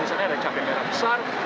misalnya ada cabai merah besar